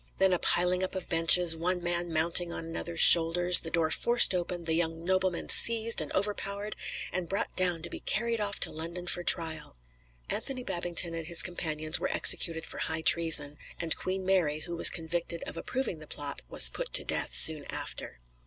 Then a piling up of benches, one man mounting on another's shoulders the door forced open, the young nobleman seized and overpowered, and brought down to be carried off to London for trial. Anthony Babington and his companions were executed for high treason, and Queen Mary, who was convicted of approving the plot, was put to death soon after.